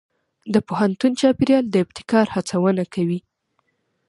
د پوهنتون چاپېریال د ابتکار هڅونه کوي.